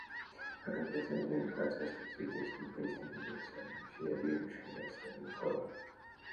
Организация Объединенных Наций остается единственным поистине универсальным и всеобъемлющим многосторонним форумом.